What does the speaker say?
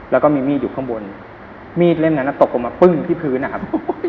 แล้วก็มีมีดอยู่ข้างบนมีดเล่มนั้นตกลงมาปึ้งที่พื้นนะครับ